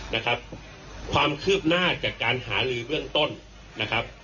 นะครับความคืบหน้าจากการหาลือเบื้องต้นนะครับ